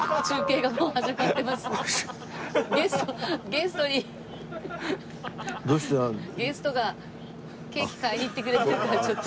ゲストにゲストがケーキ買いに行ってくれてるからちょっと。